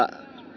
ini sudah beliau